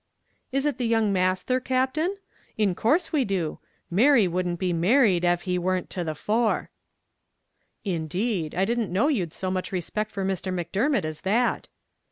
"Is it the young masthur, Captain? In course we do. Mary wouldn't be married av he warn't to the fore." "Indeed! I didn't know you'd so much respect for Mr. Macdermot as that."